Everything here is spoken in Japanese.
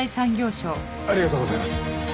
ありがとうございます。